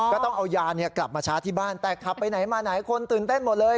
ก็ต้องเอายากลับมาชาร์จที่บ้านแต่ขับไปไหนมาไหนคนตื่นเต้นหมดเลย